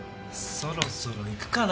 そろそろ行くかな。